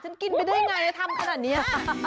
ฉันกินไปได้ยังไงทำขนาดนี้